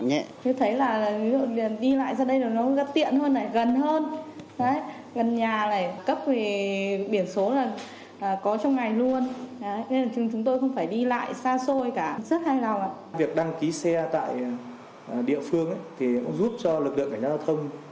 cho việc đi lại của người dân